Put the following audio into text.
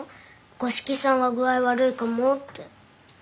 五色さんが具合悪いかもって。